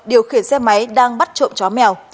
điều khiển xe máy đang bắt trộm chó mèo